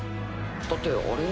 だってあれは。